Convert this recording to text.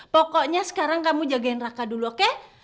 pokoknya sekarang kamu jagain raka dulu oke